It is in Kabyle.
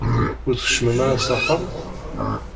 Ur tkeččmem ara s axxam?